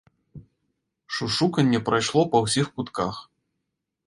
Шушуканне прайшло па ўсіх кутках.